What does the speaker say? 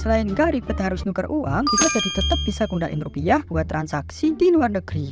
selain gak ripe harus nuker uang kita jadi tetep bisa ngundahin rupiah buat transaksi di luar negeri